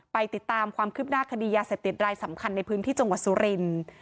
ไปติดตามความคืบหน้าคดียาเสพติดรายสำคัญในพื้นที่จังหวัดสุรินทร์